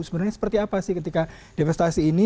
sebenarnya seperti apa sih ketika devetasi ini